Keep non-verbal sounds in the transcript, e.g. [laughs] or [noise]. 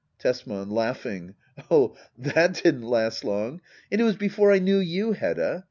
Tesman. [laughs] Oh^ that didn't last long ; and it was before I knew you^ Hedda.